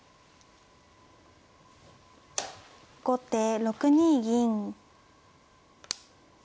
後手６二銀。